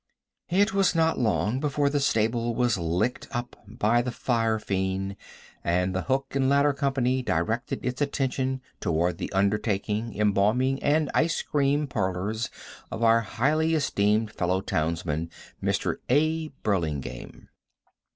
It was not long before the stable was licked up by the firefiend, and the hook and ladder company directed its attention toward the undertaking, embalming, and ice cream parlors of our highly esteemed fellow townsman, Mr. A. Burlingame.